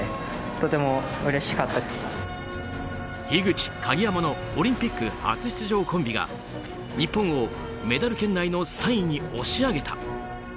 樋口、鍵山のオリンピック初出場コンビが日本をメダル圏内の３位に押し上げた。